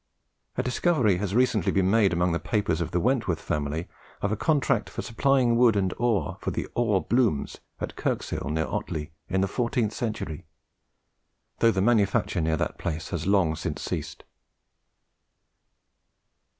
A discovery has recently been made among the papers of the Wentworth family, of a contract for supplying wood and ore for iron "blomes" at Kirskill near Otley, in the fourteenth century; though the manufacture near that place has long since ceased.